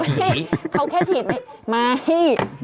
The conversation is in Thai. เขาแค่ฉีดไหมไม่